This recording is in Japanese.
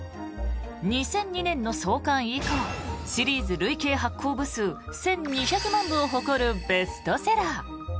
２００２年の創刊以降シリーズ累計発行部数は１２００万部を誇るベストセラー。